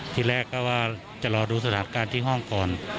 ทีแรกก็ว่าจะรอดูสถานการณ์ที่ห้องก่อน